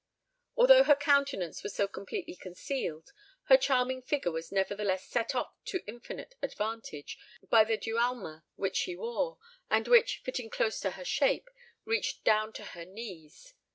Although her countenance was so completely concealed, her charming figure was nevertheless set off to infinite advantage by the dualma which she wore, and which, fitting close to her shape, reached down to her knees.